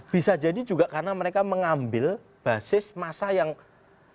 bisa jadi juga karena mereka mengambil basis masa yang lebih